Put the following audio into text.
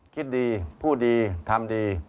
คิดดีพูดดีทำดี